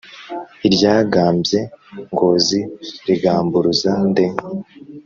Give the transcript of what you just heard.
iryagambye ngozi rigamburuza nde !